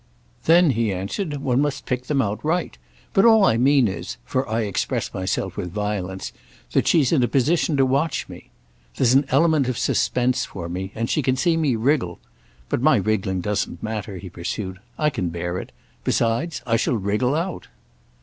"Then," he answered, "one must pick them out right. But all I mean is—for I express myself with violence—that she's in a position to watch me. There's an element of suspense for me, and she can see me wriggle. But my wriggling doesn't matter," he pursued. "I can bear it. Besides, I shall wriggle out."